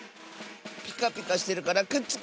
ピカピカしてるからくっつく！